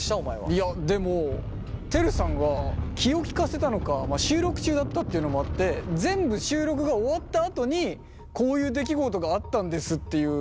いやでもてるさんが気を利かせたのか収録中だったっていうのもあって全部収録が終わったあとにこういう出来事があったんですっていう。